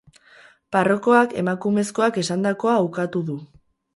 Parrokoak emakumezkoak esandakoa ukatu du.